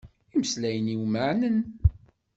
Imeslayen-im meɛnen.